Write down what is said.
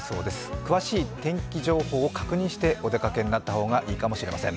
詳しい天気情報を確認してお出かけになった方がいいかもしれません。